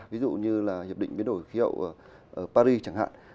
ví dụ như hiệp định biến đổi khí hậu ở paris chẳng hạn